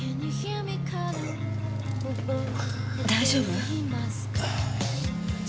大丈夫？